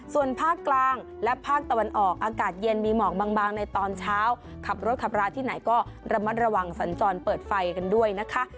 ส่วนภาคกลางและภาคตะวันออกอากาศเย็นมีหมอกบางในตอนเช้าขับรถขับราที่ไหนก็ระมัดระวังสัญจรเปิดไฟกันด้วยนะคะ